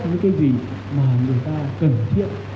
những cái gì mà người ta cần thiết